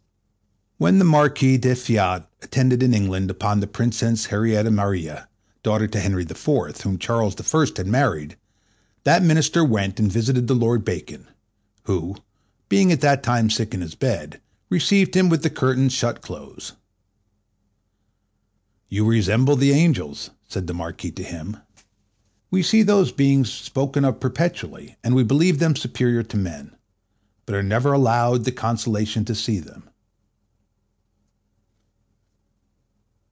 When the Marquis d'Effiat attended in England upon the Princess Henrietta Maria, daughter to Henry IV., whom King Charles I, had married, that Minister went and visited the Lord Bacon, who, being at that time sick in his bed, received him with the curtains shut close. "You resemble the angels," said the Marquis to him; "we hear those beings spoken of perpetually, and we believe them superior to men, but are never allowed the consolation to see them."